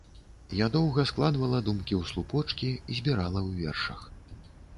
Я доўга складвала думкі ў слупочкі, збірала ў вершах.